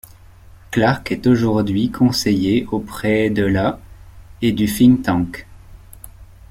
Clark est aujourd'hui conseiller auprès de la ' et du think tank '.